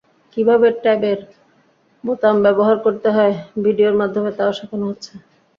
কীভাবে ট্যাবের বোতাম ব্যবহার করতে হয়, ভিডিওর মাধ্যমে তাও শেখানো হচ্ছে।